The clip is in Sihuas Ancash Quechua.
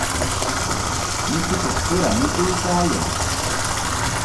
Michikuqpura mikuykaayan.